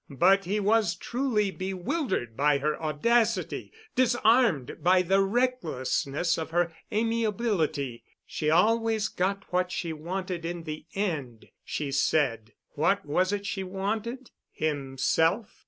But he was truly bewildered by her audacity, disarmed by the recklessness of her amiability. She always got what she wanted in the end, she said. What was it she wanted? Himself?